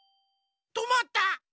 とまった。